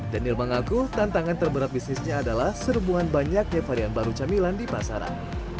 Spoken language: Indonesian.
daniel mengaku tantangan terberat bisnisnya adalah serbuan banyaknya varian baru camilan di pasaran